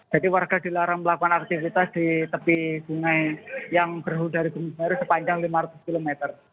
jadi warga dilarang melakukan aktivitas di tepi sungai yang berhul dari gunung semeru sepanjang lima ratus km